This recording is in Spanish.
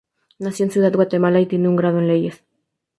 Nació en Ciudad de Guatemala, y tiene un grado en leyes.